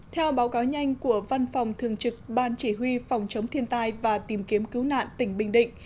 theo báo cáo nhanh của văn phòng thường trực ban chỉ huy phòng chống thiên tai và tìm kiếm cứu nạn tỉnh bình định